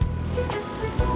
gak ada apa apa